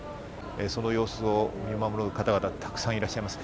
その様子を見守る方々がたくさんいらっしゃいます。